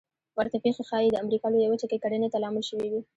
ورته پېښې ښایي د امریکا لویه وچه کې کرنې ته لامل شوې وي